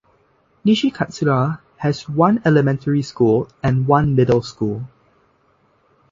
Nishikatsura has one elementary school and one middle school.